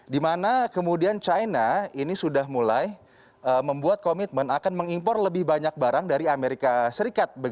dimana kemudian china ini sudah mulai membuat komitmen akan mengimpor lebih banyak barang dari amerika serikat